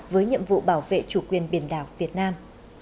với nhiệm vụ bảo vệ chủ quyền biển đảo việt nam